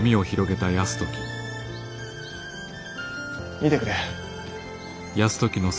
見てくれ。